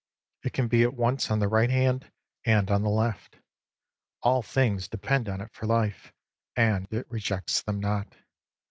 It can be at once on the right hand and on the left. All things depend on it for life, and it rejects them not.